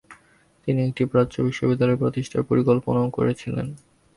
তিনি একটি প্রাচ্য বিশ্ববিদ্যালয় প্রতিষ্ঠার পরিকল্পনাও সম্পন্ন করেছিলেন।